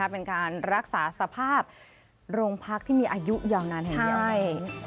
เป็นการรักษาสภาพโรงพักษณ์ที่มีอายุอยู่นานแหงแยง